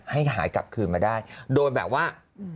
ให้หายกลับคืนมาได้โดยแบบว่า